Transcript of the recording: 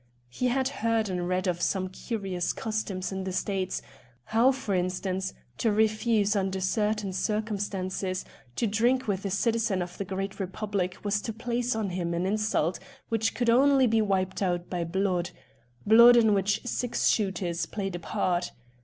He had heard and read of some curious customs in the States; how, for instance, to refuse, under certain circumstances, to drink with a citizen of the Great Republic was to place on him an insult which could only be wiped out by blood blood in which six shooters played a part.